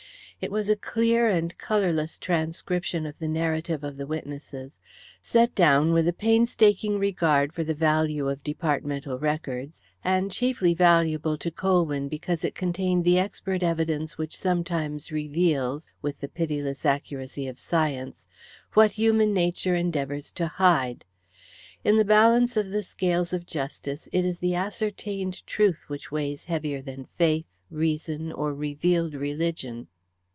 It was a clear and colourless transcription of the narrative of the witnesses, set down with a painstaking regard for the value of departmental records, and chiefly valuable to Colwyn because it contained the expert evidence which sometimes reveals, with the pitiless accuracy of science, what human nature endeavours to hide. In the balance of the scales of justice it is the ascertained truth which weighs heavier than faith, reason, or revealed religion.